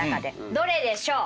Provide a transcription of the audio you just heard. どれでしょう？